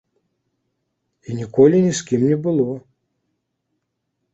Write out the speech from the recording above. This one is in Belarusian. І ніколі ні з кім не было.